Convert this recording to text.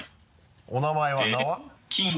お名前は？